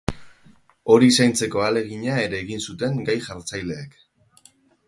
Hori zaintzeko ahalegina ere egin zuten gai jartzaileek.